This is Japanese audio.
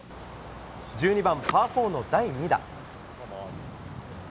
１２番、パー４の第２打。